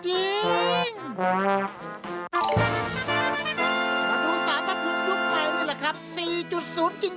มาดูสารภาพภูมิยุคใหม่นี่แหละครับ